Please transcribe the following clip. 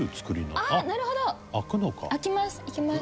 ああなるほど！いきます。